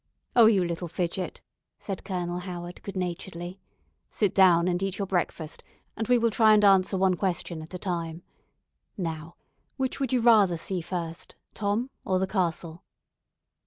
"Oh, you little fidget!" said Colonel Howard, good naturedly, "sit down and eat your breakfast and we will try and answer one question at a time. Now, which would you rather see first, Tom or the castle?"